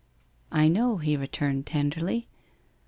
' I know,' he returned tenderly.